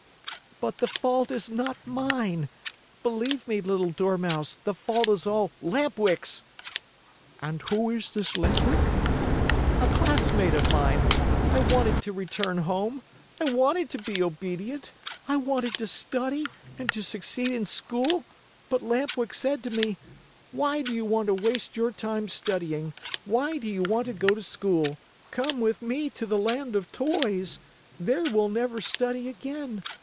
"But the fault is not mine. Believe me, little Dormouse, the fault is all Lamp Wick's." "And who is this Lamp Wick?" "A classmate of mine. I wanted to return home. I wanted to be obedient. I wanted to study and to succeed in school, but Lamp Wick said to me, 'Why do you want to waste your time studying? Why do you want to go to school? Come with me to the Land of Toys. There we'll never study again.